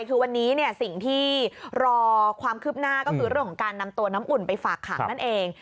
คือวันนี้สิ่งที่รอความคืบหน้าก็คือเรื่องของการนำตัวน้ำอุ่นไปฝากขังนั่นเอง